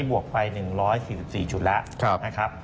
บวกไป๑๔๒จุดนะครับ